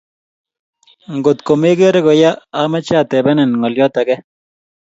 ngotkomegere koyaa ameche atebenen ngolyot age